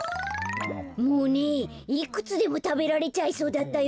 もういくつでもたべられちゃいそうだったよ。